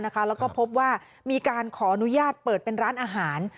แล้วก็พบว่ามีการขออนุญาตเปิดเป็นร้านอาหาร